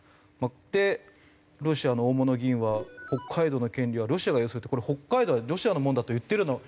でロシアの大物議員は「北海道の権利はロシアが有する」ってこれ北海道はロシアのものだと言ってるような。